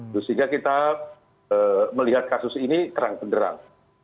sehingga kita melihat kasus ini terang penderang